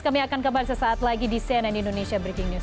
kami akan kembali sesaat lagi di cnn indonesia breaking news